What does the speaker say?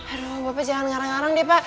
aduh bapak jangan ngarang ngarang nih pak